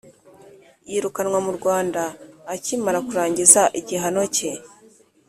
yirukanwa mu rwanda akimara kurangiza igihano cye.